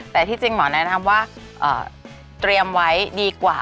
แต่ที่จริงหมอแนะนำว่าเตรียมไว้ดีกว่า